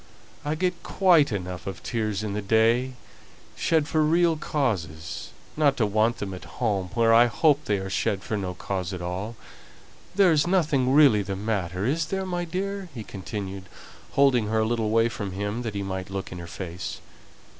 I get quite enough of tears in the day, shed for real causes, not to want them at home, where, I hope, they are shed for no cause at all. There's nothing really the matter, is there, my dear?" he continued, holding her a little away from him that he might look in her face.